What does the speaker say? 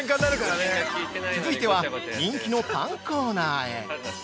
◆続いては、人気のパンコーナーへ。